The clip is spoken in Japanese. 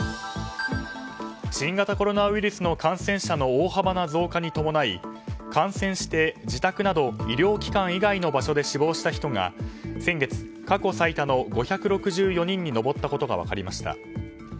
新型コロナウイルスの感染者の大幅な増加に伴い感染して自宅など医療機関以外の場所で死亡した人が先月、過去最多の５６４人に上ったことが分かりました。